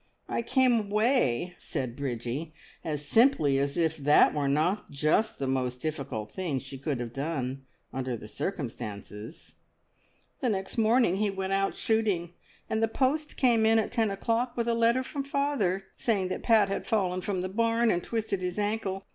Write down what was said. I came away!" said Bridgie, as simply as if that were not just the most difficult thing she could have done under the circumstances. "The next morning he went out shooting, and the post came in at ten o'clock with a letter from father saying that Pat had fallen from the barn and twisted his ankle.